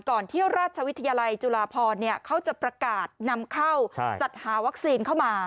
ที่ราชวิทยาลัยจุฬาพรเขาจะประกาศนำเข้าจัดหาวัคซีนเข้ามา